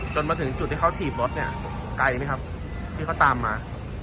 จนมาถึงจุดที่เขาถีบรถเนี่ยไกลไหมครับที่เขาตามมา